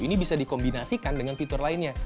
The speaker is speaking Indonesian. ini bisa dikombinasikan dengan fitur lainnya